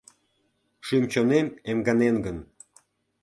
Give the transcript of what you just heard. Шӱм-чонем эмганен гын